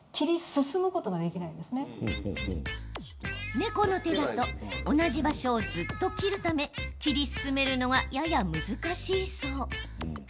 猫の手だと同じ場所をずっと切るため切り進めるのがやや難しいそう。